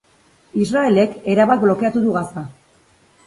Israelek erabat blokeatu du Gaza